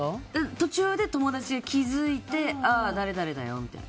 途中で友達が気付いて誰々だよみたいな。